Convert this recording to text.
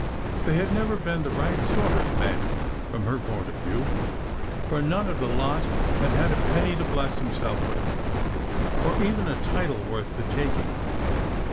They had never been the right sort of men, from her point of view, for none of the lot had had a penny to bless himself with, or even a title worth the taking.